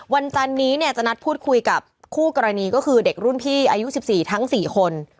จันนี้เนี่ยจะนัดพูดคุยกับคู่กรณีก็คือเด็กรุ่นพี่อายุ๑๔ทั้ง๔คน